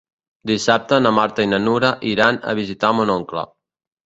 Dissabte na Marta i na Nura iran a visitar mon oncle.